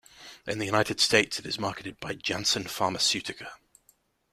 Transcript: In the United States, it is marketed by Janssen Pharmaceutica.